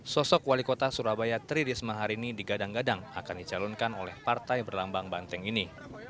sosok wali kota surabaya tri risma hari ini digadang gadang akan dicalonkan oleh partai berlambang banteng ini